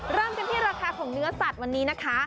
เริ่มกันที่ราคาของเนื้อสัตว์วันนี้นะคะ